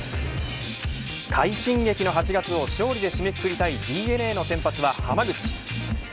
快進撃の８月を勝利で締めくくりたいＤｅＮＡの先発は濱口。